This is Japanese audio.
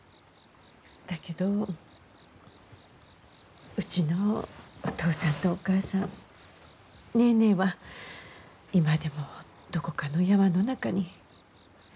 だけどうちのお父さんとお母さんネーネーは今でもどこかの山の中に。